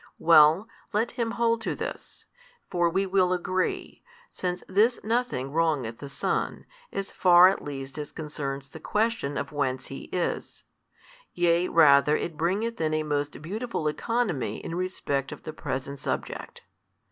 Well, let him hold to this; for we will agree, since this nothing wrongeth the Son, as far at least as concerns the question of whence He is; yea rather it bringeth in a most beautiful ceconomy in respect of the present subject.